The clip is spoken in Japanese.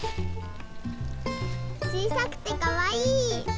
ちいさくてかわいい！